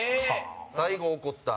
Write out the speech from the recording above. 最後、怒ったん？